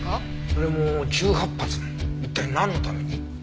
それも１８発も一体なんのために？